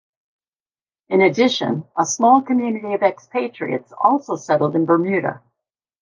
In addition, a small community of expatriates also settled in Bermuda.